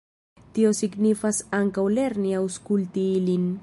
Tio signifas ankaŭ lerni aŭskulti ilin.